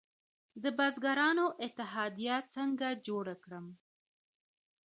د بزګرانو اتحادیه څنګه جوړه کړم؟